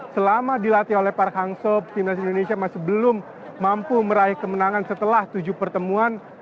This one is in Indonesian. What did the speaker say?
selama dilatih oleh par hangso timnas indonesia masih belum mampu meraih kemenangan setelah tujuh pertemuan